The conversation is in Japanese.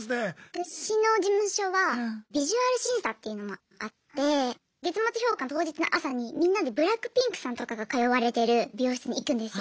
私の事務所はビジュアル審査っていうのもあって月末評価の当日の朝にみんなでＢＬＡＣＫＰＩＮＫさんとかが通われてる美容室に行くんですよ。